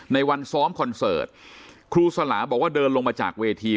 ในวันซ้อมคอนเสิร์ตครูสลาบอกว่าเดินลงมาจากเวที